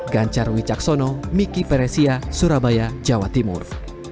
ganjar wicaksono miki peresia surabaya jawa timur